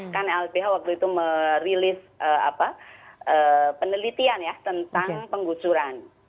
kan lbh waktu itu merilis penelitian ya tentang penggusuran